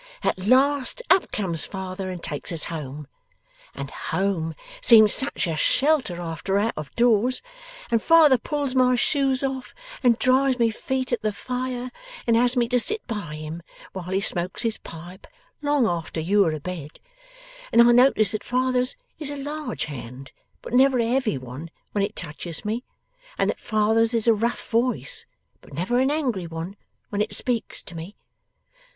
At last, up comes father and takes us home. And home seems such a shelter after out of doors! And father pulls my shoes off, and dries my feet at the fire, and has me to sit by him while he smokes his pipe long after you are abed, and I notice that father's is a large hand but never a heavy one when it touches me, and that father's is a rough voice but never an angry one when it speaks to me.